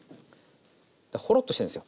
ほろっとしてんですよ。